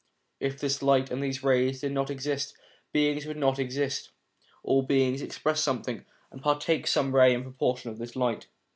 If this light and these rays did not exist, beings would not exist; all beings express something, and partake of some ray and portion of this light.